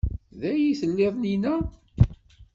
Da ay tellid llinna?